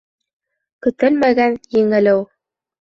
Көтөлмәгән еңелеү